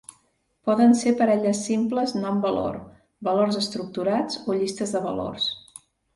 Poden ser parelles simples nom-valor, valors estructurats o llistes de valors.